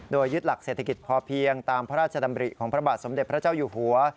โดยยึดหลักเศรษฐกิจพอเพียงตามพระราชดำริของพระบาทสมเด็จพระเจ้าอยู่หัว